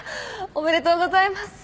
おめでとうございます。